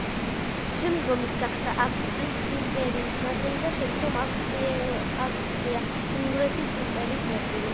შემდგომ ის გახდა ავსტრიის იმპერიის ნაწილი და შემდგომ ავსტრია-უნგრეთის იმპერიის ნაწილი.